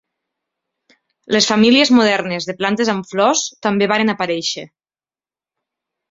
Les famílies modernes de plantes amb flors també varen aparèixer.